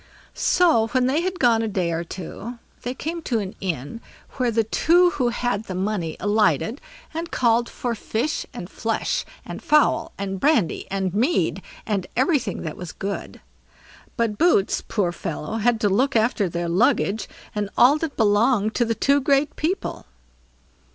So, when they had gone a day or so, they came to an inn, where the two who had the money alighted, and called for fish and flesh, and fowl, and brandy and mead, and everything that was good; but Boots, poor fellow, had to look after their luggage and all that belonged to the two great people.